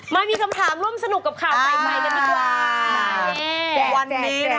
มามีคำถามร่วมสนุกกับข่าวใส่ไข่กันดีกว่า